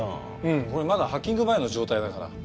これまだハッキング前の状態だから。